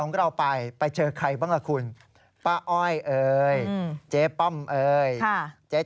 ฮ่าฮ่าฮ่าฮ่าฮ่าฮ่าฮ่าฮ่า